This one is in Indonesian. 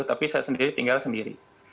tapi saya sendiri tinggal sendiri